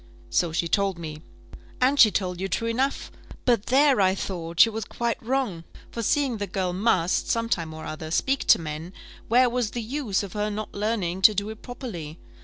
"So she told me." "And she told you true enough. But there, I thought, she was quite wrong; for seeing the girl must, some time or other, speak to men, where was the use of her not learning to do it properly?